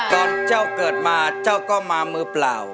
เจ้าเกิดมาเจ้าก็มามือเปล่า